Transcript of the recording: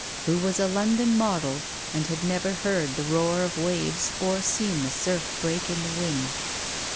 " Who was a London model, and had never heard the roar of waves or seen the surf break in the wind."